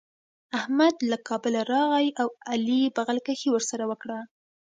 احمد له کابله راغی او علي بغل کښي ورسره وکړه.